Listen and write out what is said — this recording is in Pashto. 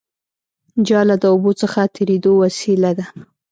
جاله د اوبو څخه تېرېدو وسیله ده